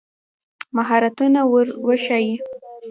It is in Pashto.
مهارتونه ور وښایي.